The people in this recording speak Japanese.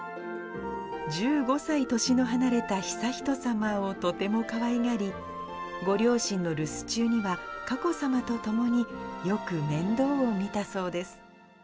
１５歳年の離れた悠仁さまをとてもかわいがり、ご両親の留守中には、佳子さまと共に、よく面倒を見たそうです。